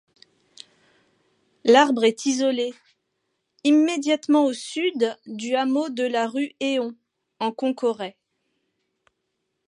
L'arbre est isolé, immédiatement au sud du hameau de La Rue-Éon, en Concoret.